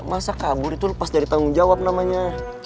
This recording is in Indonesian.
masa kabur itu lepas dari tanggung jawab namanya